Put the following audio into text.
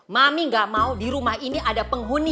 mami gak mau di rumah ini ada penghuni